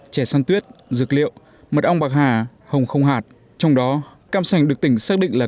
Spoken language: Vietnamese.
chè san tuyết dược liệu mật ong bạc hà hồng không hạt trong đó cam sành được tỉnh xác định là